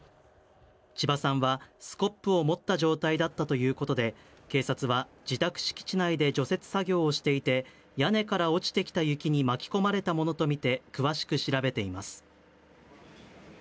千葉さんはスコップを持った状態だったということで、警察は自宅敷地内で除雪作業をしていて、屋根から落ちてきた雪に巻き込まれたものと見て詳しく調べています。